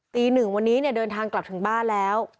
ตีหนึ่งวันนี้เนี่ยเดินทางกลับถึงบ้านแล้ว